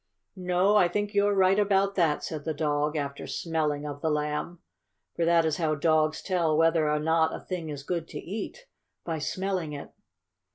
"No, I think you're right about that," said the dog, after smelling of the Lamb. For that is how dogs tell whether or not a thing is good to eat by smelling it.